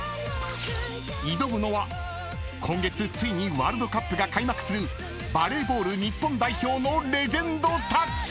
［挑むのは今月ついにワールドカップが開幕するバレーボール日本代表のレジェンドたち！］